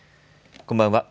こんばんは。